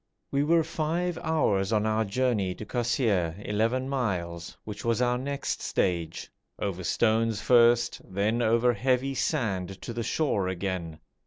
We were five hours on our journey to Kosseir (11 miles), which was our next stage, over stones first, then over heavy sand to the shore again.